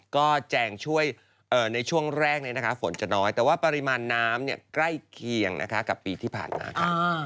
ก็แจงช่วยในช่วงแรกนี้นะคะฝนจะน้อยแต่ว่าปริมาณน้ำใกล้เคียงนะคะกับปีที่ผ่านมาค่ะ